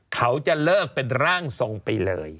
เขาจะเลิกเป็นร่างทรงไปเลย